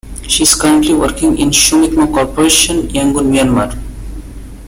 She is currently working in Sumitomo Corporation, Yangon, Myanmar.